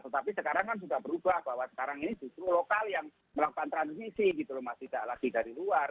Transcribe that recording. tetapi sekarang kan sudah berubah bahwa sekarang ini justru lokal yang melakukan transmisi gitu loh mas tidak lagi dari luar